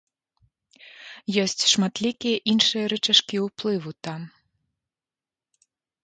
Ёсць шматлікія іншыя рычажкі ўплыву там.